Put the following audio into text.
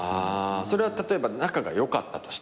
それは例えば仲が良かったとしても？